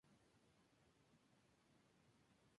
Sustituyó en el cargo a Pere Navarro Olivella.